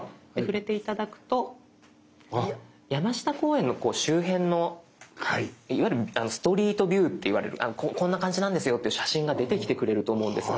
山下公園の周辺のいわゆるストリートビューって言われるこんな感じなんですよっていう写真が出てきてくれると思うんです。